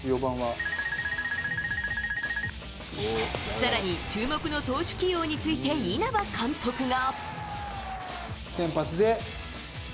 更に、注目の投手起用について稲葉監督が。